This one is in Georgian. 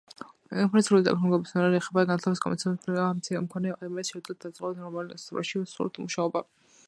ინფორმაციული ტექნოლოგიების უნარები ეხება განათლებითა გამოცდილების მქონე ადამიანებს შეუძლიათ გადაწყვიტონ რომელ სფეროში სურთ მუშაობა